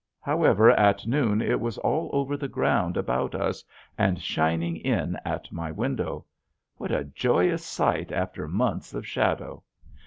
However at noon it was all over the ground about us and shining in at my window. What a joyous sight after months of shadow!